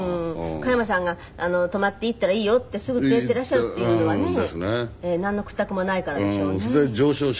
加山さんが「泊まっていい？」って言ったら「いいよ」ってすぐ連れていらっしゃるっていうのはねなんの屈託もないからでしょうね。